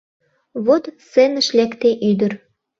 Вот сценыш лекте ӱдыр